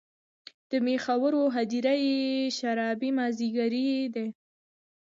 د میخورو هـــــدیره یې شــــــرابي مــــاځیګری دی